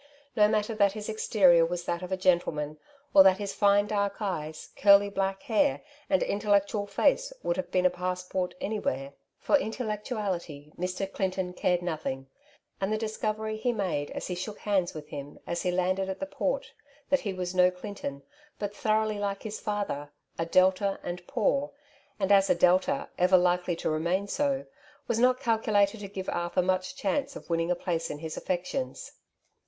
No matter that his exterior was that of a gentleman, or that his fine dark eyes, curly black hair, and intellectual face would have been a passport anywhere ; for in tellectuality Mr. Clinton cared nothing, and the discovery he made as he shook hands with him as he landed at the port that he was no Clinton, but thoroughly like his father — a Delta and poor, and as a Delta ever likely to remain so — was not calculated to give Arthur much chance of winning a place in his affections.